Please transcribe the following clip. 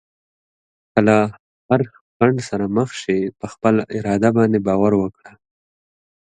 که له هر خنډ سره مخ شې، په خپل اراده باندې باور وکړه.